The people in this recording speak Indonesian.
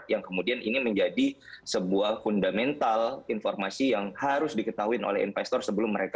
yang kemudian ini menjadi sebuah fundamental informasi yang harus diketahui oleh investor sebelum mereka